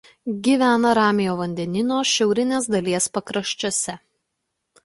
Gyvena Ramiojo vandenyno šiaurinės dalies pakraščiuose.